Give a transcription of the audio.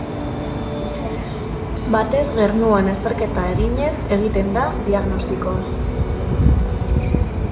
Batez gernuan azterketa eginez egiten da diagnostikoa.